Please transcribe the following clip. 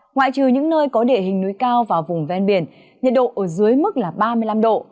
ngoại trừ những nơi có địa hình núi cao và vùng ven biển nhiệt độ ở dưới mức là ba mươi năm độ